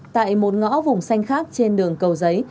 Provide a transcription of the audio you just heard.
tại một ngõ vùng xanh khác trên đường cầu giấy